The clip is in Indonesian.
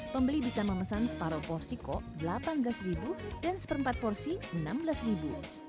pembeli bisa memesan separuh porsi kok delapan belas dan seperempat porsi rp enam belas ribu